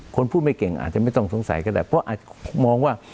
คนพูดไม่เก่งอาจจะไม่ต้องสงสัยก็ได้เพราะอาจมองว่า